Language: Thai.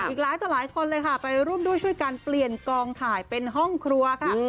อีกหลายต่อหลายคนเลยค่ะไปร่วมด้วยช่วยกันเปลี่ยนกองถ่ายเป็นห้องครัวค่ะ